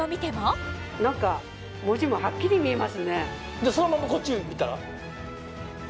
さらにそのままこっち見たら？